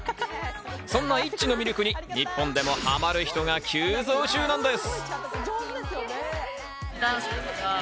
そんなＩＴＺＹの魅力に、日本でもハマる人が急増中なんです。